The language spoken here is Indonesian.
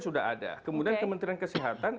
sudah ada kemudian kementerian kesehatan